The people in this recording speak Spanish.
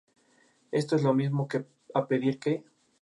Esto es lo mismo a pedir que